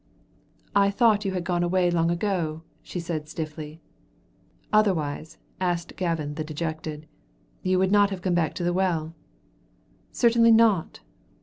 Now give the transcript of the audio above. "I thought you had gone away long ago," she said stiffly. "Otherwise," asked Gavin the dejected, "you would not have came back to the well?" "Certainly not."